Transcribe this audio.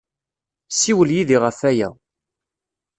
Ssiwel yid-i ɣef waya.